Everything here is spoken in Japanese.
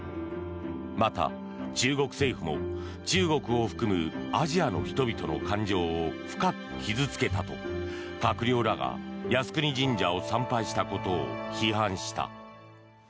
また、中国政府も中国を含むアジアの人々の感情を深く傷付けたと閣僚らが靖国神社を参拝したことを批判した。